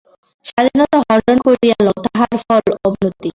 স্বাধীনতা হরণ করিয়া লও, তাহার ফল অবনতি।